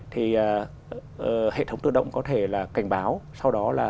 thì hệ thống tự động có thể là cảnh báo